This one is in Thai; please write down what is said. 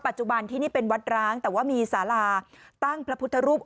ปัจจุบันที่นี่เป็นวัดร้างแต่ว่ามีสาราตั้งพระพุทธรูป